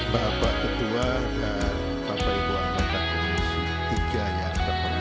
bapak ketua dan bapak ibu anggota komisi tiga yang terpengalam